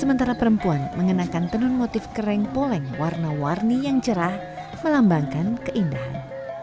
sementara perempuan mengenakan tenun motif kereng poleng warna warni yang cerah melambangkan keindahan